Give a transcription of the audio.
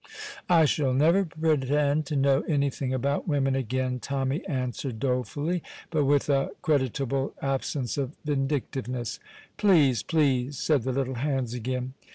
"I shall never pretend to know anything about women again," Tommy answered dolefully, but with a creditable absence of vindictiveness. "Please, please!" said the little hands again.